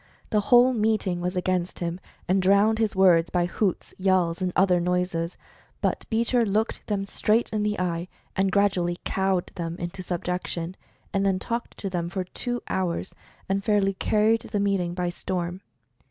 The whole meeting was against him, and drowned his words by hoots, yells; and other noises. But Beecher looked them straight in the eye, and gradually cowed them into sub jection, and then talked to them for two hours, and fairly carried the meeting by storm.